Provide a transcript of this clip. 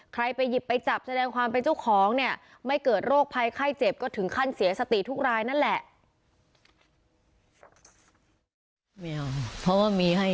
ใครไปหยิบไปจับแสดงความเป็นเจ้าของเนี่ยไม่เกิดโรคภัยไข้เจ็บก็ถึงขั้นเสียสติทุกรายนั่นแหละ